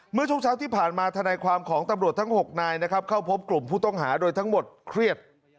เมื่อช่วงเช้าที่ผ่านมาธนายความของตำรวจทั้ง๖นายนะครับเข้าพบกลุ่มผู้ต้องหาโดยทั้งหมดเครียด